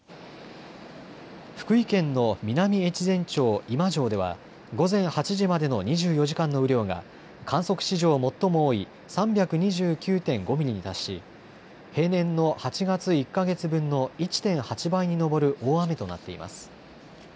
福井県の南越前町今庄では午前８時までの２４時間の雨量が観測史上最も多い３２９．５ミリに達し平年の８月１か月分の１．８倍に上る大雨となっています。